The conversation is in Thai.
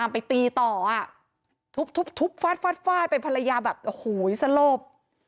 ไปตีต่อทุบฟาดฟาดฟาดไปภรรยาแบบโอ้โหสลบ